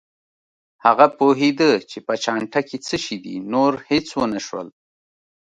هغه پوهېده چې په چانټه کې څه شي دي، نور هېڅ ونه شول.